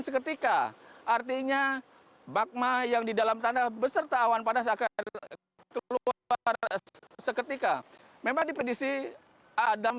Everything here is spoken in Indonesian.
seketika artinya magma yang di dalam tanah beserta awan panas akan keluar seketika